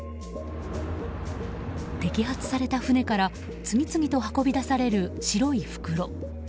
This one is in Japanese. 摘発された船から次々と運び出される白い袋。